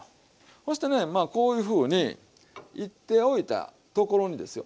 そしてねまあこういうふうにいっておいたところにですよ